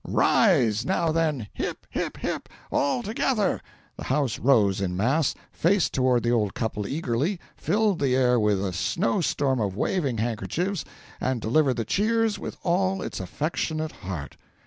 Rise! Now, then hip! hip! hip! all together!" The house rose in mass, faced toward the old couple eagerly, filled the air with a snow storm of waving handkerchiefs, and delivered the cheers with all its affectionate heart.